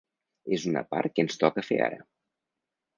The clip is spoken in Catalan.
És una part que ens toca fer ara.